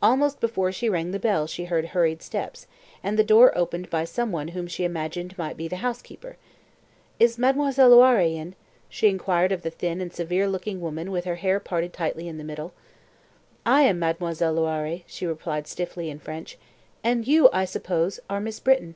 Almost before she rang the bell she heard hurried steps, and the door was opened by some one whom she imagined might be the housekeeper. "Is Mademoiselle Loiré in?" she inquired of the thin and severe looking woman with hair parted tightly in the middle. "I am Mademoiselle Loiré," she replied stiffly in French, "and you, I suppose, are Miss Britton!